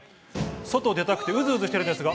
外出たくて、うずうずしてるんですが。